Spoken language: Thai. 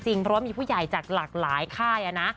เพราะว่ามีผู้ใหญ่จากหลากหลายค่ายนะ